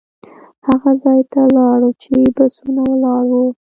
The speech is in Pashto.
هغه ځای ته لاړو چې بسونه ولاړ وو.